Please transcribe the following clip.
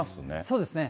そうですね。